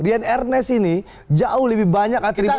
dian ernest ini jauh lebih banyak atributnya